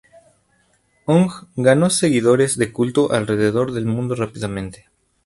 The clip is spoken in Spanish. Hung ganó seguidores de culto alrededor del mundo rápidamente.